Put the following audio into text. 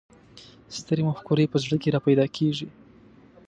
سترې مفکورې په زړه کې را پیدا کېږي.